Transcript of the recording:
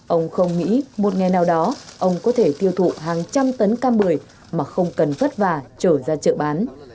ông không nghĩ một ngày nào đó ông có thể tiêu thụ hàng trăm tấn cam bưởi mà không cần vất vả trở ra chợ bán